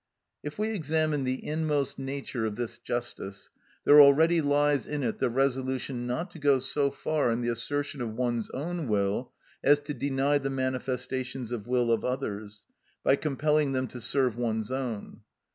If we examine the inmost nature of this justice, there already lies in it the resolution not to go so far in the assertion of one's own will as to deny the manifestations of will of others, by compelling them to serve one's own.